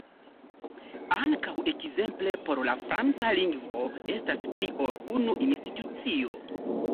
Ankaŭ ekzemple por la franca lingvo estas pli ol unu institucio.